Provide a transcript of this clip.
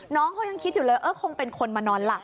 น้องเขายังคิดอยู่เลยเออคงเป็นคนมานอนหลับ